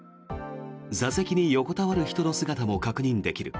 座席に横たわる人の姿も確認できる。